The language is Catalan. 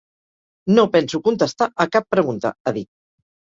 No penso contestar a cap pregunta, ha dit.